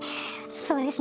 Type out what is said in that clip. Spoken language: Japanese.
そうですね。